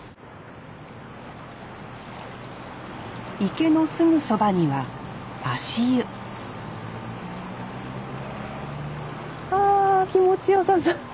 池のすぐそばには足湯あ気持ちよさそう。